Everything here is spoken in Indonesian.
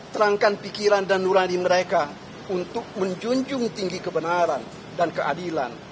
terangkan pikiran dan nurani mereka untuk menjunjung tinggi kebenaran dan keadilan